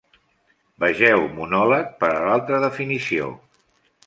Vegeu monòleg per a l'altra definició.